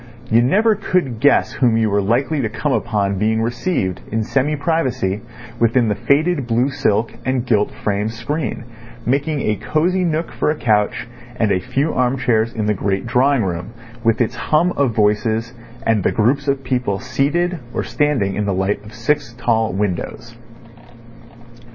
You never could guess whom you were likely to come upon being received in semi privacy within the faded blue silk and gilt frame screen, making a cosy nook for a couch and a few arm chairs in the great drawing room, with its hum of voices and the groups of people seated or standing in the light of six tall windows.